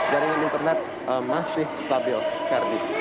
jaringan internet masih stabil ferdi